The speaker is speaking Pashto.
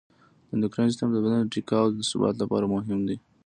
د اندوکراین سیستم د بدن د ټیکاو او ثبات لپاره مهم دی.